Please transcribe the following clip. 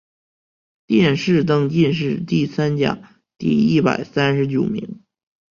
殿试登进士第三甲第一百三十九名。